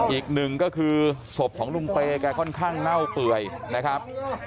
อีกหนึ่งก็คือศพของลุงเปย์แกค่อนข้างเน่าเปื่อยนะครับ